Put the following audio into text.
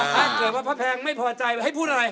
ถ้าเกิดว่าพระแพงไม่พอใจให้พูดอะไร